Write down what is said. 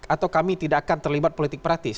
atau kami tidak akan terlibat politik praktis